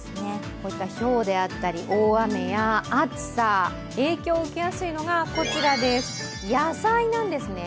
こういったひょうであったり大雨や暑さ影響を受けやすいのが、野菜なんですね。